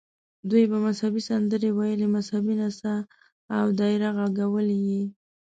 دوی به مذهبي سندرې ویلې، مذهبي نڅا او دایره غږول یې.